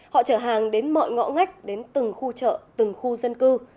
họ chở hàng đến mọi ngõ ngách đến từng khu chợ từng khu dân cư